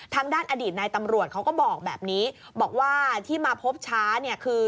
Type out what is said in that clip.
ทางด้านอดีตนายตำรวจเขาก็บอกแบบนี้บอกว่าที่มาพบช้าเนี่ยคือ